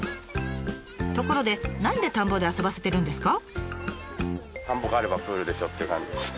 ところで何で田んぼで遊ばせてるんですか？